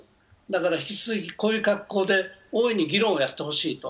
引き続きこういう格好で大いに議論をやってほしいと。